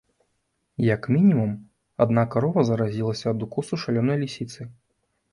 Як мінімум, адна карова заразілася ад укусу шалёнай лісіцы.